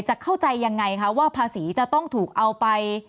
จะเข้าใจยังไงคะว่าภาษีจะต้องถูกเอาไป